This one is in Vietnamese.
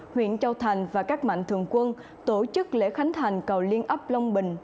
huyện châu thành và các mạnh thường quân tổ chức lễ khánh thành cầu liên ấp long bình